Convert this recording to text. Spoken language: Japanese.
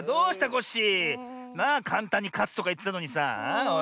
コッシー。なあかんたんにかつとかいってたのにさあおい。